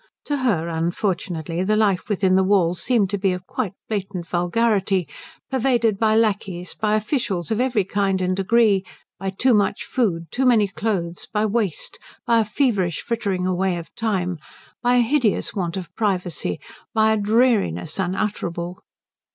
To her unfortunately the life within the walls seemed of a quite blatant vulgarity; pervaded by lacqueys, by officials of every kind and degree, by too much food, too many clothes, by waste, by a feverish frittering away of time, by a hideous want of privacy, by a dreariness unutterable.